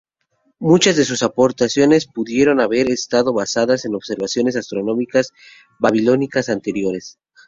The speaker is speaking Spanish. Muchas de sus aportaciones pudieron haber estado basadas en observaciones astronómicas babilónicas anteriores.